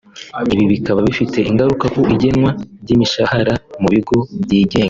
Ibi bikaba bifite ingaruka ku igenwa ry’imishahara mu bigo byigenga